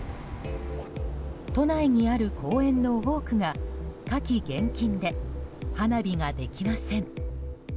都内にある公園の多くが火気厳禁で、花火ができません。